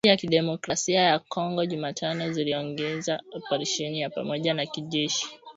Uganda na Jamhuri ya Kidemokrasia ya Kongo Jumatano ziliongeza operesheni ya pamoja ya kijeshi.